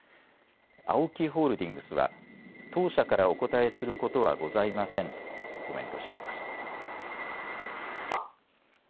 ＡＯＫＩホールディングスは当社からお答えすることはございませんとコメントしています。